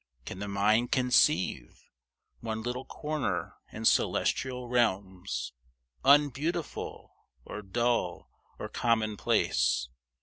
Can the mind conceive One little corner in celestial realms Unbeautiful, or dull or commonplace?